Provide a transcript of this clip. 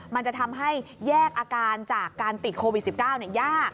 มันจะทำให้แยกอาการจากการติดโควิด๑๙ยาก